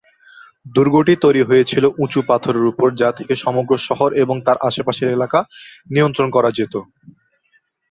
দুর্গটি তৈরি করা হয়েছিল উঁচু পাথরের উপর যা থেকে সমগ্র শহর এবং তার আশেপাশের এলাকা নিয়ন্ত্রণ করা হতো।